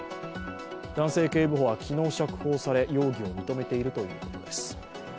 男性警部補は昨日釈放され、容疑を認めているということです。